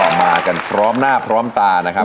มากันพร้อมหน้าพร้อมตานะครับ